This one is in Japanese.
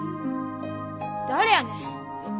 誰やねん？